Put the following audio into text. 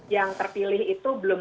yang terpilih itu belum